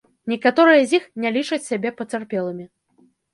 Некаторыя з іх не лічаць сябе пацярпелымі.